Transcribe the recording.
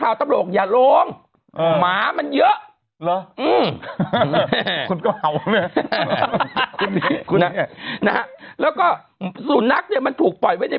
โต๊ะโตะโหลงอ่าหมามันเยอะเหรออือแล้วก็สู่นักเนี้ยมันถูกปล่อยไว้ใน